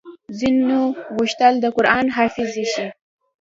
ځينو غوښتل د قران حافظې شي